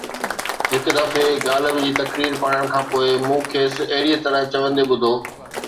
هڪ دفعي غالب جي تقرير پڙهڻ کان پوءِ مون کيس ”اهڙيءَ طرح“ چوندي ٻڌو.